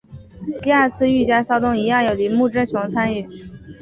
第二次御家骚动一样有铃木正雄参与。